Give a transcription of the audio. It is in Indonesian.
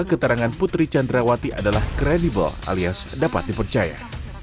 keterangan putri chandrawati adalah credible alias dapat dipercaya